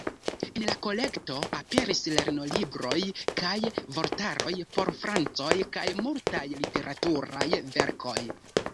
En la kolekto aperis lernolibroj kaj vortaroj por francoj kaj multaj literaturaj verkoj.